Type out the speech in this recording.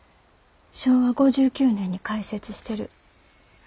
昭和５９年に開設してる。